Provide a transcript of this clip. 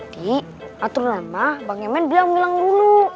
dulu awal awal ya masih itu enggak